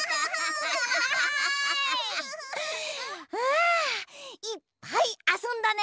あいっぱいあそんだね！